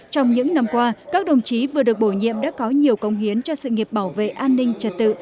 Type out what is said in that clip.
trong những năm qua các đồng chí vừa được bổ nhiệm đã có nhiều công hiến cho sự nghiệp bảo vệ an ninh trật tự